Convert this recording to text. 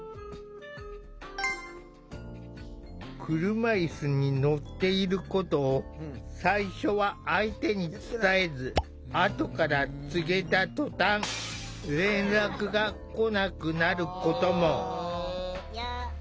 車いすに乗っていることを最初は相手に伝えずあとから告げたとたん連絡が来なくなることも。